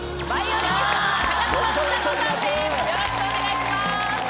よろしくお願いします。